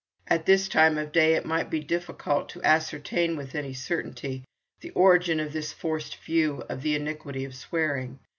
At this time of day it might be difficult to ascertain with any certainty the origin of this forced view of the iniquity of swearing.